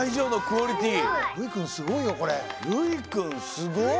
すごい！